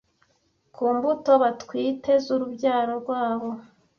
ku mbuto batwite z’urubyaro rwabo